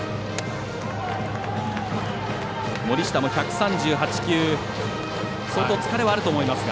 森下も１３８球相当、疲れはあると思いますが。